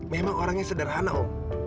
memang orangnya sederhana om